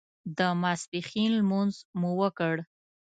د ماسپښین لمونځ مو وکړ.